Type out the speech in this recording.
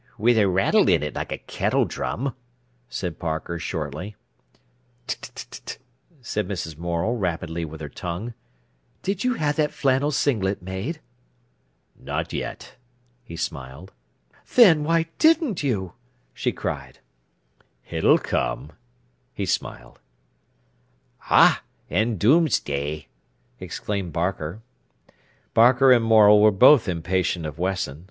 "Wi' a rattle in it like a kettle drum," said Barker shortly. "T t t t!" went Mrs. Morel rapidly with her tongue. "Did you have that flannel singlet made?" "Not yet," he smiled. "Then, why didn't you?" she cried. "It'll come," he smiled. "Ah, an' Doomsday!" exclaimed Barker. Barker and Morel were both impatient of Wesson.